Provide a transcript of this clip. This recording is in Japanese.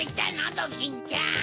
ドキンちゃん。